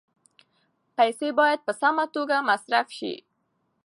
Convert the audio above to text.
پیسې باید په سمه توګه مصرف شي.